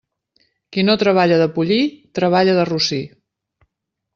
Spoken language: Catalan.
Qui no treballa de pollí, treballa de rossí.